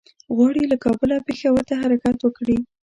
غواړي له کابله پېښور ته حرکت وکړي.